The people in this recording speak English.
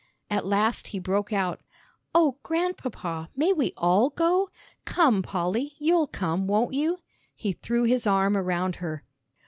At last he broke out, "Oh, Grandpapa, may we all go? Come, Polly, you'll come, won't you?" He threw his arm around her.